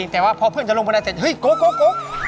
แต่ว่าพอเพื่อนจะลงบันไดเสร็จเฮ้ยโก๊ก